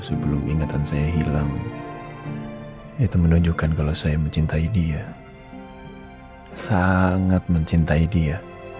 sebelum ingatan saya hilang itu menunjukkan kalau saya mencintai dia sangat mencintai dia